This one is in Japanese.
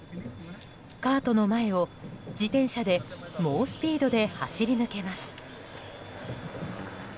カートの前を自転車で猛スピードで走り抜けます。